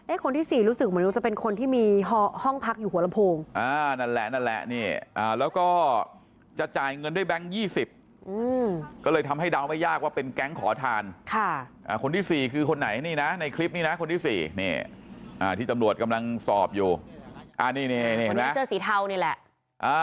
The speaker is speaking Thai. เอ๊ะคนที่สี่รู้สึกเหมือนจะเป็นคนที่มีห้องพักอยู่หัวละโพงอ่านั่นแหละนั่นแหละนี่อ่าแล้วก็จะจ่ายเงินด้วยแบงค์ยี่สิบอืมก็เลยทำให้ดาวน์ไม่ยากว่าเป็นแก๊งขอทานค่ะอ่าคนที่สี่คือคนไหนนี่น่ะในคลิปนี้น่ะคนที่สี่นี่อ่าที่จำลวดกำลังสอบอยู่อ่านี่นี่นี่เห็นไหม